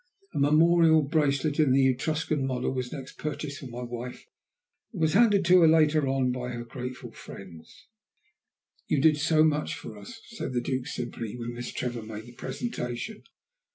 A memorial bracelet on the Etruscan model was next purchased for my wife, and was handed to her later on by her grateful friends. "You did so much for us," said the Duke simply, when Miss Trevor made the presentation.